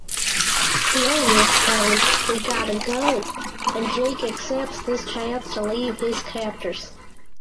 Keung exclaims "We gotta go" and Jake accepts this chance to leave his captors.